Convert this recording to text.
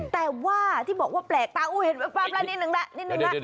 แต่ว่าที่บอกว่าแปลกตาอุ๊ยเห็นไหมนิดนึงแหละ